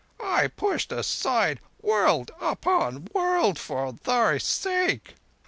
I pushed aside world upon world for thy sake.